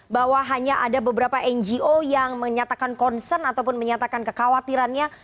bahwa hanya ada beberapa ngo yang menyatakan concern ataupun menyatakan kekhawatirannya